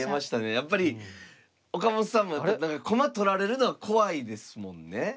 やっぱり岡本さんも何か駒取られるのは怖いですもんね。